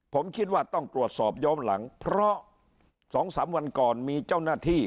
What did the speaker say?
ผมคิดว่าต้องตรวจสอบย้อนหลังเพราะ๒๓วันก่อนมีเจ้าหน้าที่